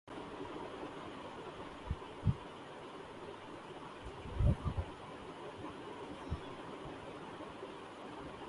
پاکستان میں آج تک کسی کی غلطی کا کبھی تعین نہیں ہوا